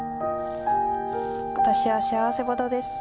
私は幸せ者です。